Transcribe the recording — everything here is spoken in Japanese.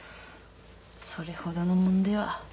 それほどのもんでは。